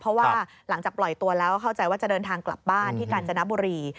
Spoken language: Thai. เพราะว่าหลังจากปล่อยตัวแล้วเข้าใจว่าจะเดินทางกลับบ้านที่กาญจนบุรี